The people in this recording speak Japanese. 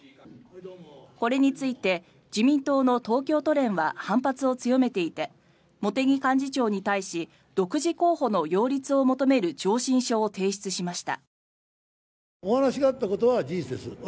これについて自民党の東京都連は反発を強めていて茂木幹事長に対し独自候補の擁立を求める上申書を提出しました。